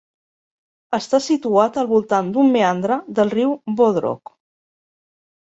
Està situat al voltant d'un meandre del riu Bodrog.